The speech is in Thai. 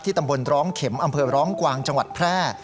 ตำบลร้องเข็มอำเภอร้องกวางจังหวัดแพร่